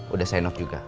udah sign off juga